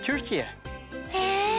へえ！